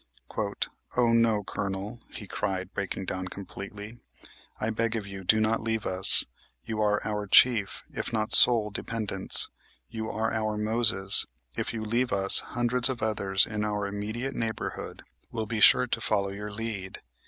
"Oh! no, Colonel," he cried, breaking down completely, "I beg of you do not leave us. You are our chief, if not sole dependence. You are our Moses. If you leave us, hundreds of others in our immediate neighborhood will be sure to follow your lead.